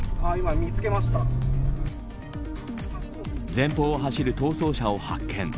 前方を走る逃走車を発見。